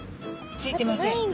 ついてません。